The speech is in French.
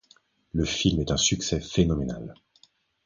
Le film est un succès phénoménal.